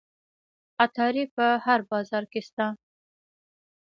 عطاري په هر بازار کې شته.